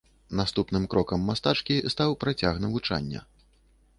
Наступным крокам мастачкі стаў працяг навучання.